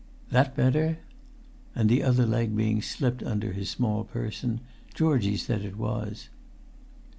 "That better?" And, the other leg being slipped under his small person, Georgie said it was.